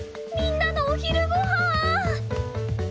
みんなのお昼ごはん！